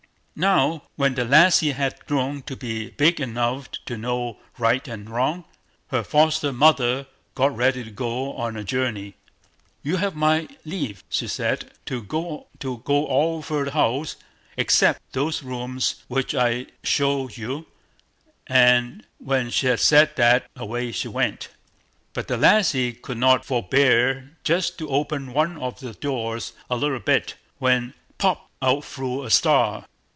Now, when the lassie had grown to be big enough to know right and wrong, her foster mother got ready to go on a journey. "You have my leave", she said, "to go all over the house, except those rooms which I shew you"; and when she had said that, away she went. But the lassie could not forbear just to open one of the doors a little bit, when—POP! out flew a Star.